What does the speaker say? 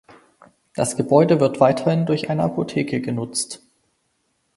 Das Gebäude wird weiterhin durch eine Apotheke genutzt.